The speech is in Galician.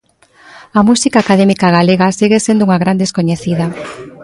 A música académica galega segue sendo unha gran descoñecida.